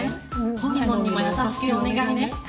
ほりもんにも優しくお願いね。